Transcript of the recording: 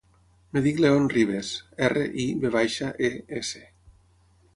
Em dic León Rives: erra, i, ve baixa, e, essa.